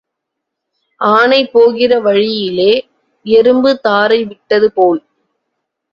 ஆனை போகிற வழியிலே எறும்பு தாரை விட்டது போல்.